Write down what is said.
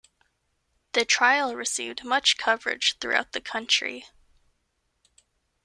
The trial received much coverage throughout the country.